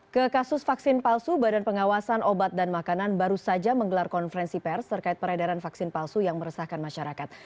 ke kasus vaksin palsu badan pengawasan obat dan makanan baru saja menggelar konferensi pers terkait peredaran vaksin palsu yang meresahkan masyarakat